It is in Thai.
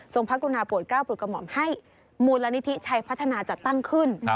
พระกุณาโปรดก้าวโปรดกระหม่อมให้มูลนิธิชัยพัฒนาจัดตั้งขึ้น